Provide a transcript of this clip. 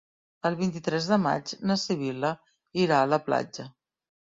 El vint-i-tres de maig na Sibil·la irà a la platja.